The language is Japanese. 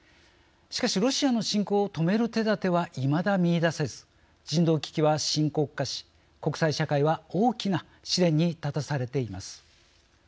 しかし、ロシアの侵攻を止める手だてはいまだ見いだせず人道危機は深刻化し、国際社会は大きな試練に立たされています。